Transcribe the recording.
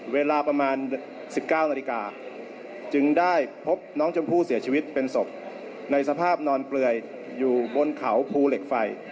เวลาประมาณ๑๙นาฬิกาจึงได้พบน้องชมพู่เสียชีวิตเป็นศพในสภาพนอนเปลือยอยู่บนเขาภูเหล็กไฟ